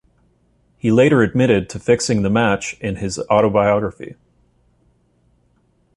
He later admitted to fixing the match in his autobiography.